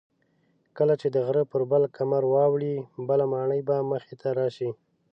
کله چې د غره پر بل کمر واوړې بله ماڼۍ به مخې ته راشي.